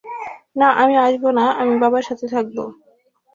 না, আমি আসবো না, আমি বাবার সাথে থাকব।